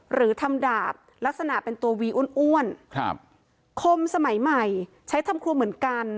หรือทำดาบลักษณะเป็นตัววีอ้วนอ้วนครับคมสมัยใหม่ใช้ทำครัวเหมือนกัน